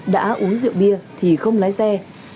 đã uống rượu bia thì không lái xe